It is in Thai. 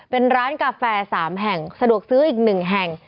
เป็นร้านกาแฟ๓แห่งสะดวกซื้ออีก๑แห่ง